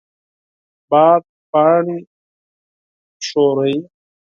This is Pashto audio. باد پاڼې خوځوي